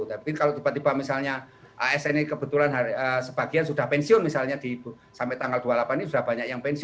tapi kalau tiba tiba misalnya asn ini kebetulan sebagian sudah pensiun misalnya sampai tanggal dua puluh delapan ini sudah banyak yang pensiun